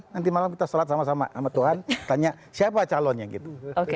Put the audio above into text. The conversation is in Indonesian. nanti malam kita sholat sama sama sama tuhan tanya siapa calonnya gitu